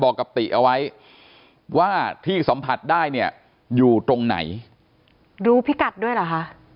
บอกกับติเอาไว้ว่าที่สัมผัสได้เนี่ยอยู่ตรงไหนรู้พิกัดด้วยเหรอคะ